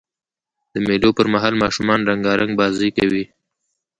د مېلو پر مهال ماشومان رنګارنګ بازۍ کوي.